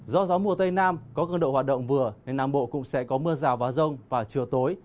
do gió mùa tây nam có cường độ hoạt động vừa nên nam bộ cũng sẽ có mưa rào và rông vào chiều tối